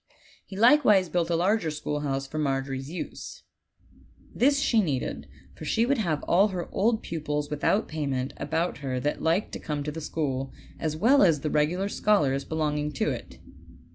He likewise built a larger schoolhouse for Margery's use. This she needed, for she would have all her old pupils without payment about her that liked to come to the school, as well as the regular scholars belonging to it.